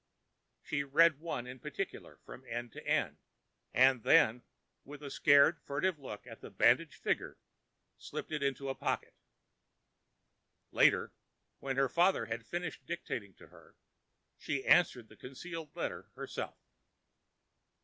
She read one in particular from end to end, and then, with a scared, furtive look at the bandaged figure, slipped it into a pocket. Later, when her father had finished dictating to her, she answered the concealed letter herself.